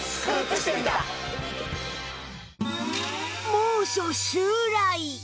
猛暑襲来！